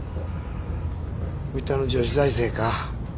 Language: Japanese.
三田の女子大生か？